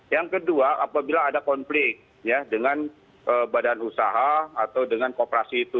yang kedua apabila ada konflik dengan badan usaha atau dengan kooperasi itu